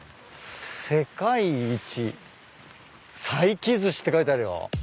「世界一佐伯寿司」って書いてあるよ。